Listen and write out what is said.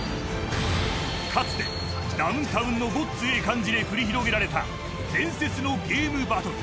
かつてダウンタウンのごっつええ感じで繰り広げられた伝説のゲームバトル。